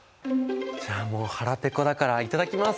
じゃあもう腹ぺこだから頂きます。